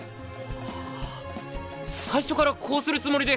あ最初からこうするつもりで。